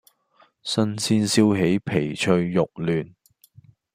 新鮮燒起皮脆肉嫩